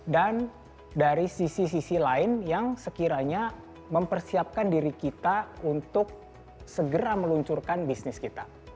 dan dari sisi sisi lain yang sekiranya mempersiapkan diri kita untuk segera meluncurkan bisnis kita